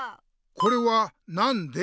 これはなんで？